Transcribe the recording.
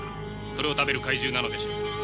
それを食べる怪獣なのでしょう。